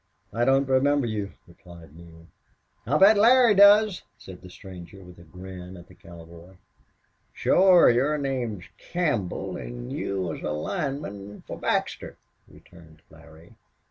"I don't remember you," replied Neale. "I'll bet Larry does," said the stranger, with a grin at the cowboy. "Shore. Your name's Campbell an' you was a lineman for Baxter," returned Larry.